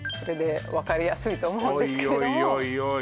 分かりやすいと思うんですけどおい